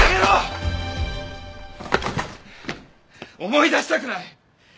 思い出したくない！